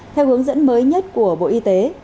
theo hướng dẫn mới nhất của bộ y tế